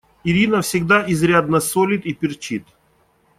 Ирина всегда изрядно солит и перчит.